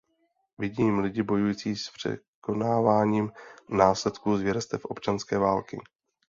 Vidím lidi bojující s překonávaním následků zvěrstev občanské války.